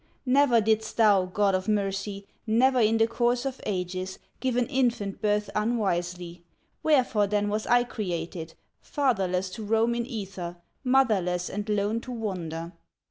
"Never didst thou, God of mercy, Never in the course of ages, Give an infant birth unwisely; Wherefore then was I created, Fatherless to roam in ether, Motherless and lone to wander?